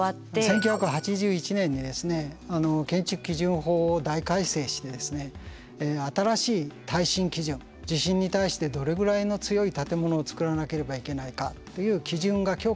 １９８１年に建築基準法を大改正して新しい耐震基準地震に対してどれぐらいの強い建物を造らなければいけないかという基準が強化されました。